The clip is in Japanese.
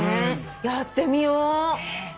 やってみよう。